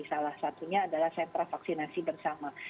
salah satunya adalah sentra vaksinasi bersama